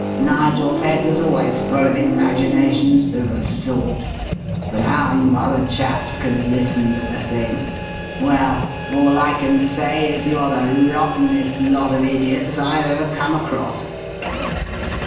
Nigel's head was always full of imaginations (of a sort) but how you other chaps can listen to the thing Well, all I can say is you're the rottenest lot of idiots I've ever come across!"